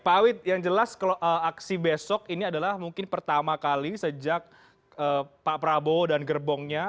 pak awid yang jelas aksi besok ini adalah mungkin pertama kali sejak pak prabowo dan gerbongnya